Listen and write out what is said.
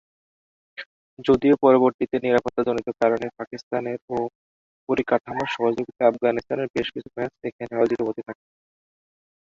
যদিও পরবর্তীতে নিরাপত্তাজনিত কারণে পাকিস্তানের ও পরিকাঠামো সহযোগিতায় আফগানিস্তানের বেশ কিছু ম্যাচ এখানে আয়োজিত হতে থাকে।